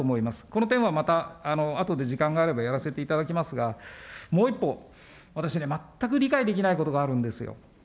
この点はまた、あとで時間があればやらせていただきますが、もう一方、私ね、全く理解できないことがあるんですよ。